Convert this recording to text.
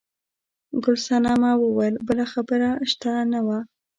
ګل صنمه وویل بله خبره شته نه وه.